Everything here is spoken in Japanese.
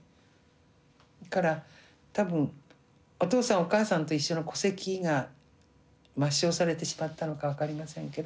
だから多分お父さんお母さんと一緒の戸籍が抹消されてしまったのか分かりませんけど。